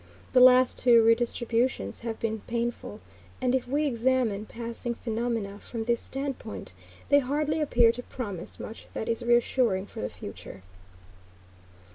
The last two redistributions have been painful, and, if we examine passing phenomena from this standpoint, they hardly appear to promise much that is reassuring for the future.